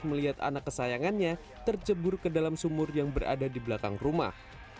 melihat anak kesayangannya tercebur ke dalam sumur yang berada di belakang rumah